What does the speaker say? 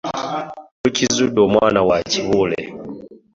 Tukizudde omwana wa Kibuule.